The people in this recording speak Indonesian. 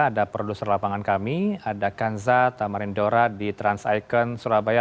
ada produser lapangan kami ada kanza tamarindora di trans icon surabaya